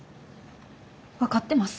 分かってます。